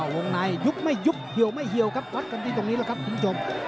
วงในยุบไม่ยุบเหี่ยวไม่เหี่ยวครับวัดกันที่ตรงนี้แหละครับคุณผู้ชม